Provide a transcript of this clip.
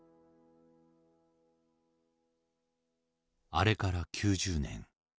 あれから９０年。